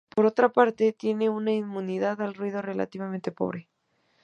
Por otra parte, tiene una inmunidad al ruido relativamente pobre.